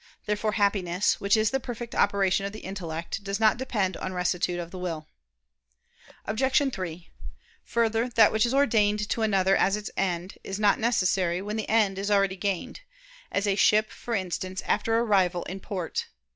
Therefore Happiness, which is the perfect operation of the intellect, does not depend on rectitude of the will. Obj. 3: Further, that which is ordained to another as its end, is not necessary, when the end is already gained; as a ship, for instance, after arrival in port.